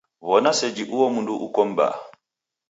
Wona seji uo mundu uko m'baa